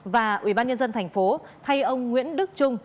và ubnd tp thay ông nguyễn đức trung